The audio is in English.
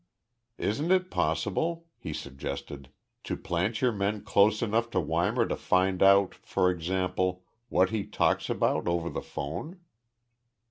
"Isn't it possible," he suggested, "to plant your men close enough to Weimar to find out, for example, what he talks about over the phone?"